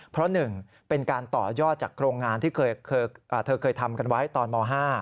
เพราะ๑เป็นการต่อยอดจากโรงงานที่เธอเคยทำกันไว้ตอนม๕